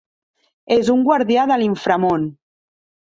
És un guardià de l'inframón.